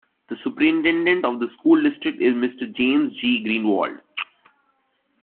The superintendent of the school district is Mr. James J. Greenwald.